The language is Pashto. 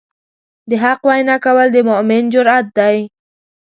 د حق وینا کول د مؤمن جرئت دی.